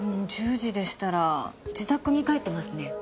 １０時でしたら自宅に帰ってますね。